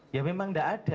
ya memang tidak ada